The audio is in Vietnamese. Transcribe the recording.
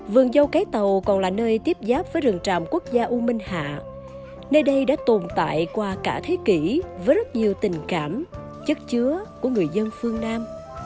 vườn dâu cái tàu còn là nơi tiếp giáp với rừng trạm quốc gia u minh hạ nơi đây đã tồn tại qua cả thế kỷ với rất nhiều tình cảm chất chứa của người dân phương nam